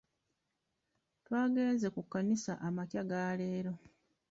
twagenze ku kkanisa amakya ga leero.